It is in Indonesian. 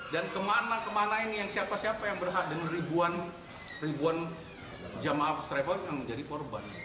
dan kemana kemana ini siapa siapa yang berhadang ribuan jemaah first travel yang menjadi korban